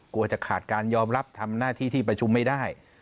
กลัวจะขาดการยอมรับทำหน้าที่ที่ประชุมไม่ได้